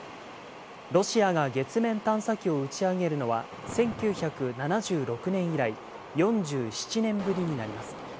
ロシアが月面探査機を打ち上げるのは、１９７６年以来、４７年ぶりになります。